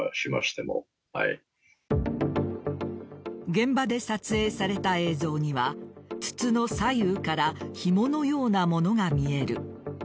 現場で撮影された映像には筒の左右からひものようなものが見える。